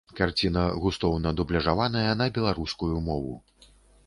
Карціна густоўна дубляжаваная на беларускую мову.